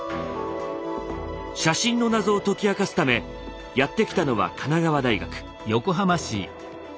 写真の謎を解き明かすためやって来たのは神奈川大学。